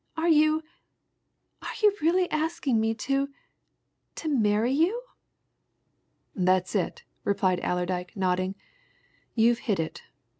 "Are you are you really asking me to to marry you?" "That's it," replied Allerdyke, nodding. "You've hit it.